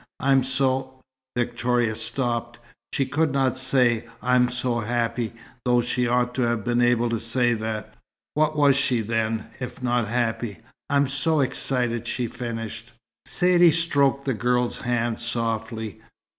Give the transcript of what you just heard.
I'm so " Victoria stopped. She could not say: "I am so happy," though she ought to have been able to say that. What was she, then, if not happy? "I'm so excited," she finished. Saidee stroked the girl's hand, softly.